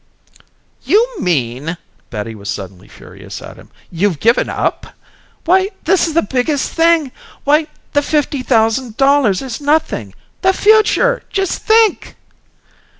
"You mean," Betty was suddenly furious at him, "you've given up! Why this is the biggest thing Why the fifty thousand dollars is nothing. The future! Just think!"